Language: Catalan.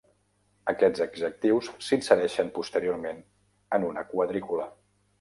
Aquests adjectius s"insereixen posteriorment en una quadrícula.